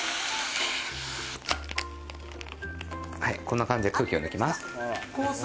こんな感じで空気を抜きます。